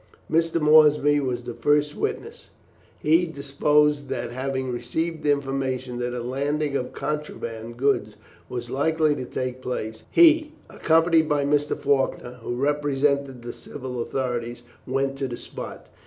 Mr. Moorsby was the first witness. He deposed that having received information that a landing of contraband goods was likely to take place, he, accompanied by Mr. Faulkner, who represented the civil authorities, went to the spot.